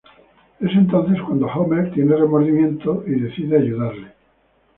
Es entonces cuando Homer tiene remordimientos y decide ayudarle.